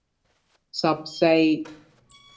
十四